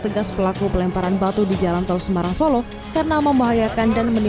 tegas pelaku pelemparan batu dijalan tel semarang solo ke tujuh jam setelah ketika hal ini ongg have to cadeeeee